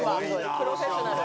プロフェッショナル。